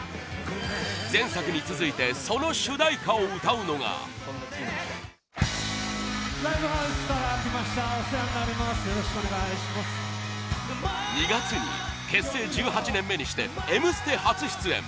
前作に続いてその主題歌を歌うのは２月に結成１８年目にして「Ｍステ」初出演